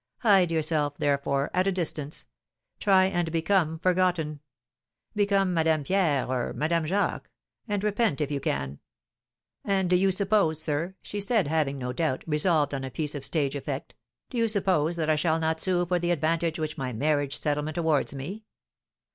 Hide yourself, therefore, at a distance, try and become forgotten; become Madame Pierre or Madame Jacques, and repent if you can.' 'And do you suppose, sir,' she said, having, no doubt, resolved on a piece of stage effect, 'do you suppose that I shall not sue for the advantage which my marriage settlement awards me?'